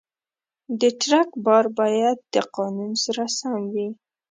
د ټرک بار باید د قانون سره سم وي.